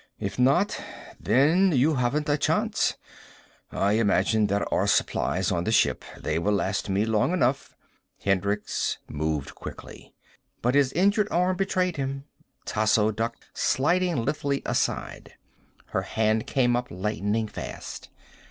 If not, then you haven't a chance. I imagine there are supplies on the ship. They will last me long enough " Hendricks moved quickly. But his injured arm betrayed him. Tasso ducked, sliding lithely aside. Her hand came up, lightning fast.